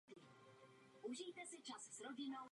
Autobusy jezdí ve směrech Třebíč a Kněžice.